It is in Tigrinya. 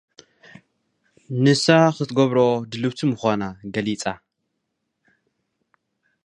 ንሳ ክትግብሮ ድልውቲ ምዃና ገሊጻ።